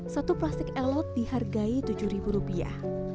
satu plastik elot dihargai tujuh ribu rupiah